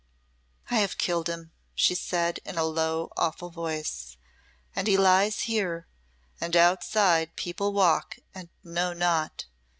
"I have killed him!" she said, in a low, awful voice; "and he lies here and outside people walk, and know not.